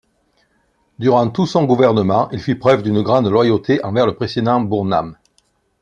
Durant tout son gouvernement, il fit preuve d'une grande loyauté envers le président Burnham..